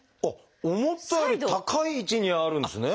思ったより高い位置にあるんですね。